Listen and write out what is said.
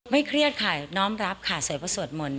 ไม่เครียดค่ะน้องรับค่ะสวยเพราะสวดมนต์